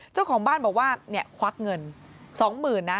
เจ้าของบ้านบอกว่าเนี่ยควักเงิน๒๐๐๐นะ